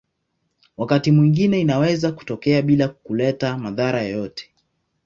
Wakati mwingine inaweza kutokea bila kuleta madhara yoyote.